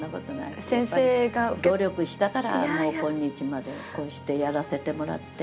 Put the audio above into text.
やっぱり努力したからもう今日までこうしてやらせてもらって。